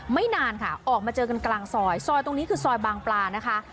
ไม่นานค่ะออกมาเจอกันกลางซอยซอยตรงนี้คือซอยบางปลานะคะ